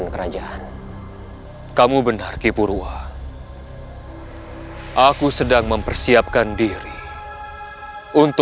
dalam you posting an id